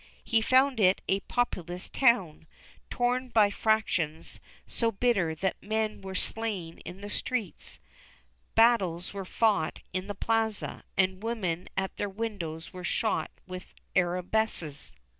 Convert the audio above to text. He found it a populous town, torn by factions so bitter that men were slain in the streets, battles were fought in the plaza, and women at their windows were shot with arquebuses.